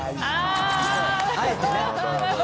あ！あえてね。